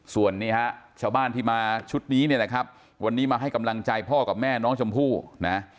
ส่วนนี้ฮะชาวบ้านที่มาชุดนี้เนี่ยนะครับวันนี้มาให้กำลังใจพ่อกับแม่น้องชมพู่นะ